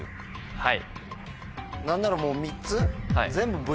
はい。